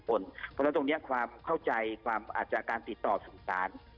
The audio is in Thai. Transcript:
เพราะฉะนั้นตรงนี้ความเข้าใจอาจจะอาจจะอาจเป็นการติดต่อสังตราน